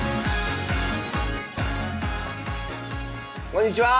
こんにちは。